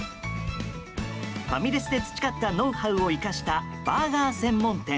ファミレスで培ったノウハウを生かしたバーガー専門店。